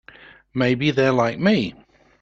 Maybe they're like me.